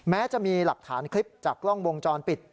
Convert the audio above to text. แม้จะมีหลักฐานคลิปจากกล้องวงจรปิด